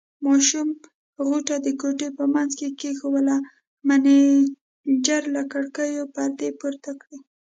ماشوم غوټه د کوټې په منځ کې کېښوول، مېنېجر له کړکیو پردې پورته کړې.